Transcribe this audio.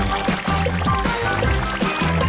ซื้อให้มันต้องมีในกล่องไว้ล่ะ